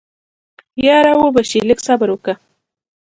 يره وبه شي لږ صبر وکه.